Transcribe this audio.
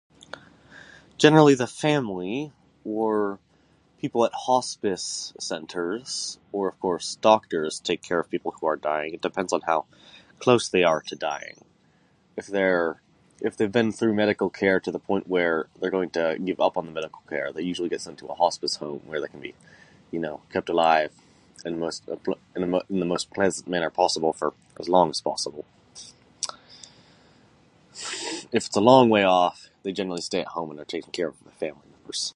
Generally, the family, or...people at hospice centers, or who are st-doctors take care of people who are dying; it depends on how close they are to dying. If they're...if they've been through medical care to the point where they're going to give up on medical care, they usually get sent to a hospice home where they can be, y'know, kept alive in the most uh- cl- in the mo- in the most pleasant manner possible, for as long as possible. If it's a long way off, they generally stay at home when they're taking care of family members.